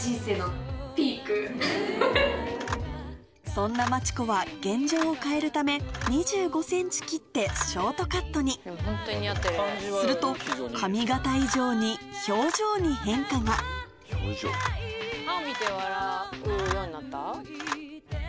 そんな真知子は現状を変えるため２５ｃｍ切ってショートカットにすると髪形以上に表情に変化が歯見せて笑うようになった？